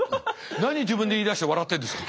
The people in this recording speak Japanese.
何自分で言いだして笑ってんですか。